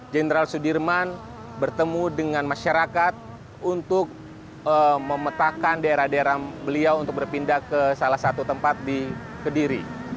jenderal sudirman bertemu dengan masyarakat untuk memetakan daerah daerah beliau untuk berpindah ke salah satu tempat di kediri